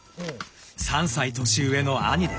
３歳年上の兄です。